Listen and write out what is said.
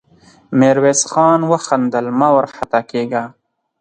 ميرويس خان وخندل: مه وارخطا کېږه!